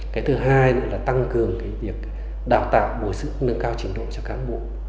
cái thứ hai là tăng cường việc đào tạo bồi sức nâng cao trình độ cho cán bộ